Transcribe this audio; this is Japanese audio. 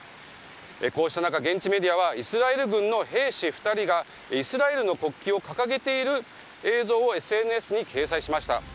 こうした中、現地メディアはイスラエル軍の兵士２人がイスラエルの国旗を掲げている映像をＳＮＳに掲載しました。